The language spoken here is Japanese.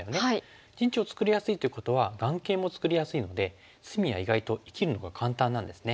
陣地を作りやすいということは眼形も作りやすいので隅は意外と生きるのが簡単なんですね。